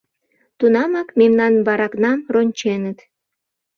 Тунамак мемнан баракнам ронченыт.